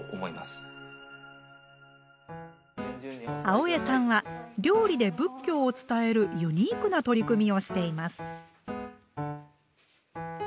青江さんは料理で仏教を伝えるユニークな取り組みをしています。